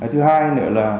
thứ hai nữa là